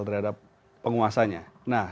terhadap penguasanya nah